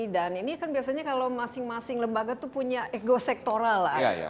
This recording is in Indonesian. dan ini kan biasanya kalau masing masing lembaga itu punya ego sektoral lah